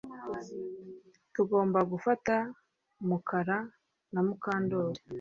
Tugomba gufata Mukara na Mukandoli